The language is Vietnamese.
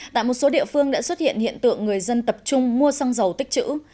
tại một số địa phương đã xuất hiện hiện tượng người dân tập trung mua xăng dầu tích chữ